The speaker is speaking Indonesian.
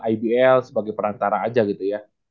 ibl sebagai perantara aja gitu ya